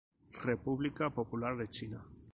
República Popular de China